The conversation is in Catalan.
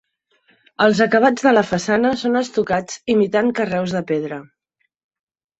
Els acabats de la façana són estucats imitant carreus de pedra.